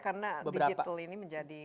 karena digital ini menjadi